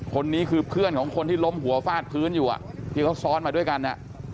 คนนี้คือเพื่อนของคนที่ล้มหัวฟาดพื้นอยู่ที่เขาซ้อนมาด้วยกัน